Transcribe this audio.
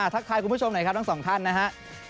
ทักทายคุณผู้ชมหน่อยครับทั้งสองท่านนะฮะ